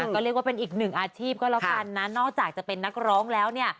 ก็เรียกว่าเป็นอีกหนึ่งอาชีพก็แล้วกันนะนอกจากจะเป็นนักร้องแล้วเนี่ย